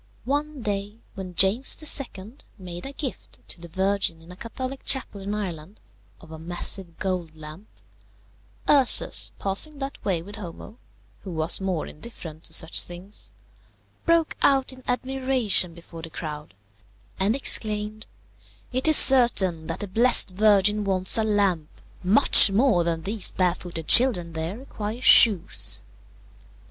One day, when James II. made a gift to the Virgin in a Catholic chapel in Ireland of a massive gold lamp, Ursus, passing that way with Homo, who was more indifferent to such things, broke out in admiration before the crowd, and exclaimed, "It is certain that the blessed Virgin wants a lamp much more than these barefooted children there require shoes."